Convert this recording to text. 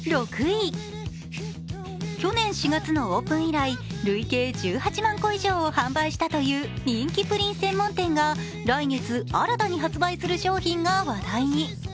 去年４月のオープン以来、累計１８万個以上を販売したという人気プリン専門店が来月新たに発売する商品が話題に。